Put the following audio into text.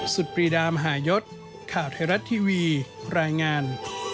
ปรีดามหายศข่าวไทยรัฐทีวีรายงาน